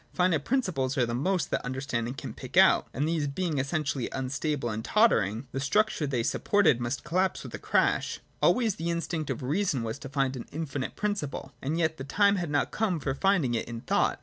Finite principles are the most that the underspnding can pick out — and these being essentially unstable and tottering, the structure they supported must collapse with a crash. Always the instinct of reason was to find an infinite principle. As yet, the time had not cfeme for finding it in thought.